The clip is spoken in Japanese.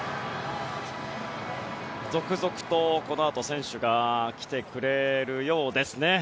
続々とこのあと選手が来てくれるようです。